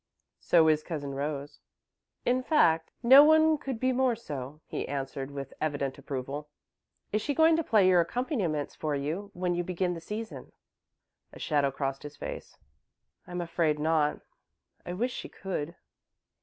"So is Cousin Rose. In fact, no one could be more so," he answered, with evident approval. "Is she going to play your accompaniments for you, when you begin the season?" A shadow crossed his face. "I'm afraid not. I wish she could."